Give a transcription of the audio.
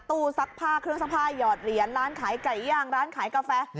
ซักผ้าเครื่องซักผ้าหยอดเหรียญร้านขายไก่ย่างร้านขายกาแฟ